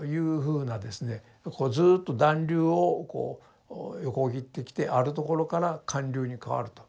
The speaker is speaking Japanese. こうずっと暖流をこう横切ってきてあるところから寒流に変わると。